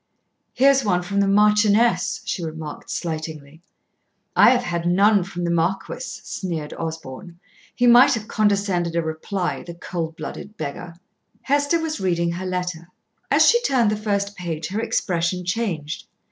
"Here's one from the Marchioness," she remarked slightingly. "I have had none from the Marquis," sneered Osborn. "He might have condescended a reply the cold blooded beggar!" Hester was reading her letter. As she turned the first page her expression changed.